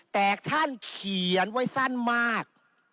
แต่ท่านเขียนไว้สั้นมาก